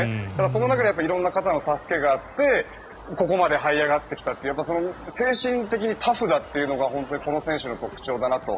その中で色んな方の助けがあってここまではい上がってきたという精神的にタフだというのが本当にこの選手の特徴だなと。